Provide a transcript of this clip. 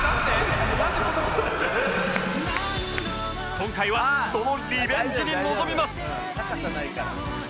今回はそのリベンジに臨みます